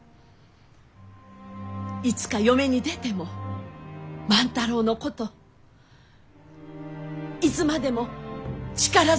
いつか嫁に出ても万太郎のこといつまでも力づけてくれるかえ？